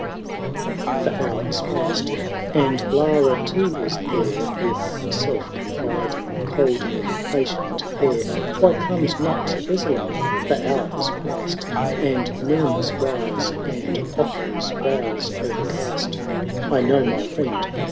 ni. The hour is past, and Lara too is there. With self confiding, coldly patient air; Why comes not Ezzelin? The hour is past, And murmurs rise, and Otho's brow's o'ercast. "I know my friend!